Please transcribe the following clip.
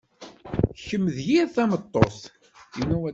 Kemm d yir tameṭṭut.